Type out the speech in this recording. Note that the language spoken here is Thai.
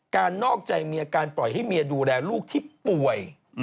นอกใจเมียการปล่อยให้เมียดูแลลูกที่ป่วย